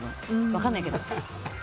分かんないけど。